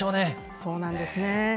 そうなんですね。